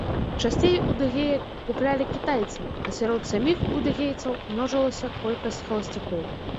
Часцей удэгеек куплялі кітайцы, а сярод саміх удэгейцаў множылася колькасць халасцякоў.